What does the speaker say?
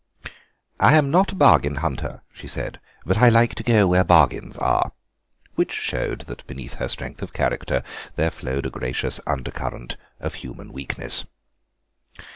"I'm not a bargain hunter," she said, "but I like to go where bargains are." Which showed that beneath her surface strength of character there flowed a gracious undercurrent of human weakness.